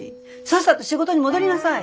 さっさと仕事に戻りなさい！